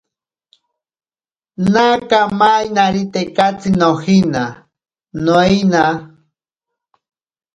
Naka mainari tekatsi nojina, noina.